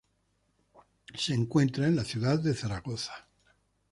Se encuentra en la ciudad de Zaragoza.